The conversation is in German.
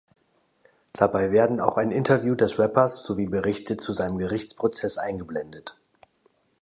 Dabei werden auch ein Interview des Rappers sowie Berichte zu seinem Gerichtsprozess eingeblendet.